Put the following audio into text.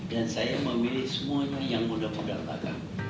dan saya memilih semuanya yang mudah mudahan